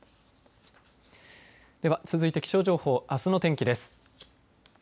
では、続いて気象情報あすの天気です。